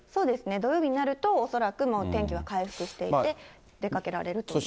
土曜日になると、おそらくもう天気は回復していて、出かけられると思います。